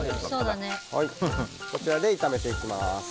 こちらで炒めていきます。